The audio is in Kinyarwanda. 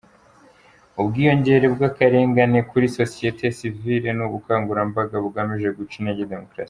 Ubwiyongere bw’akarengane kuri sosiyete sivile ni ubukangurambaga bugamije guca intege demokarasi.